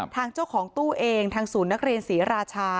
ทางเจ้าของตู้เองทางศูนย์นักเรียนศรีราชา